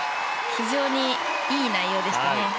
非常にいい内容でしたね。